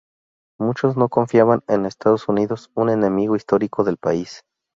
Muchos no confiaban en Estados Unidos, un enemigo histórico del país.